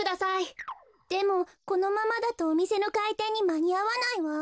でもこのままだとおみせのかいてんにまにあわないわ。